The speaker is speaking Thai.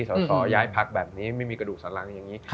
สอสอย้ายพักแบบนี้ไม่มีกระดูกสันหลังอย่างนี้